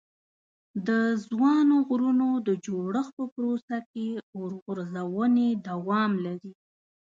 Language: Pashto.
د ځوانو غرونو د جوړښت په پروسه کې اور غورځونې دوام لري.